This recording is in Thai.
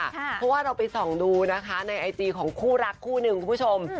เพราะว่าเราไปส่องดูนะคะในไอจีของคู่รักคู่หนึ่งคุณผู้ชม